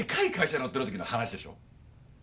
乗っ取るときの話でしょ。